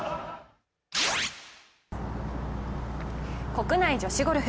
国内女子ゴルフ。